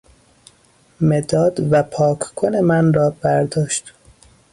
مداد و پاککن من را برداشت